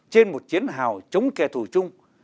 trên một chiến hào chống kẻ thù chung